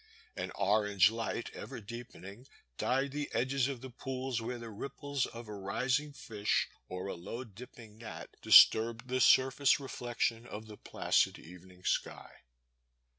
An orange light, ever deepening, dyed the edges of the pools where the ripples of a rising fish or a low dipping gnat disturbed the surface reflection of the placid evening sky.